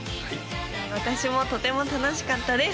私もとても楽しかったです